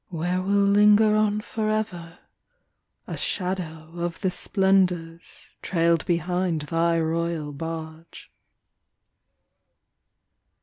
Where will linger on forever A shadow of the splendors trailed behind thy royal barge.